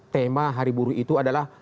tema hari buruh itu adalah